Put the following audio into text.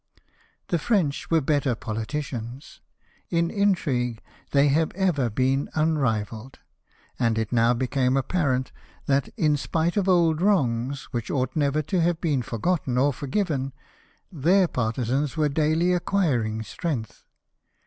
The French were better politicians. In intrigue they have ever been unrivalled ; and it now became apparent that, in spite of old wrongs, which ought never to have been forgotten or forgiven, their partisans were daily acquiring strength.